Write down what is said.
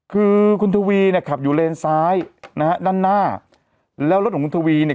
คือคุณทวีเนี่ยขับอยู่เลนซ้ายนะฮะด้านหน้าแล้วรถของคุณทวีเนี่ย